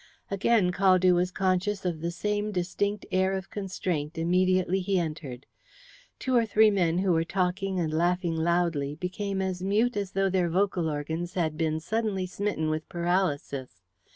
Again Caldew was conscious of the same distinct air of constraint immediately he entered. Two or three men who were talking and laughing loudly became as mute as though their vocal organs had been suddenly smitten with paralysis.